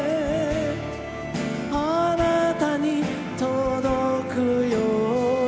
「あなたに届くように」